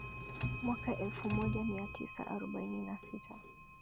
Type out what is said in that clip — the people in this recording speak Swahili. mwaka elfu moja mia tisa arobaini na sita